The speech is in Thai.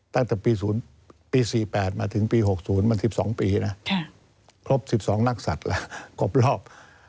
ตั้งแต่ปี๔๘มาถึงปี๖๐มัน๑๒ปีนะครบ๑๒นักศัตริย์แล้วครบรอบ